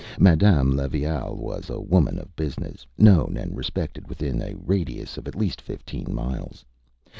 Madame Levaille was a woman of business, known and respected within a radius of at least fifteen miles.